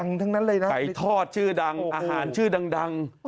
ไก่ทอดชื่อดังอาหารชื่อดัง